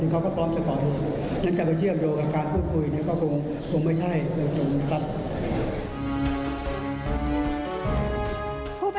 การก่อเหตุในการพูดคุยสันธิภาพ